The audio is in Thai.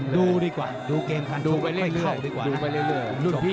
ดูดีกว่าดูไปเล่งเลย